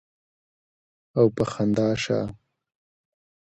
او پۀ خندا شۀ ـ